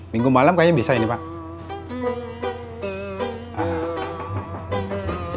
minggu malam kayaknya bisa ini pak